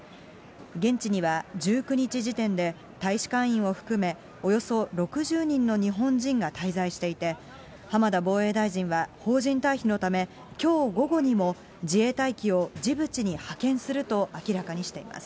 現地には１９日時点で、大使館員を含めおよそ６０人の日本人が滞在していて、浜田防衛大臣は邦人退避のため、きょう午後にも自衛隊機をジブチに派遣すると明らかにしています。